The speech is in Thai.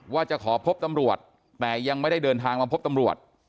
ว่าจะขอพบตำรวจแต่ยังไม่ได้เดินทางมาพบตำรวจ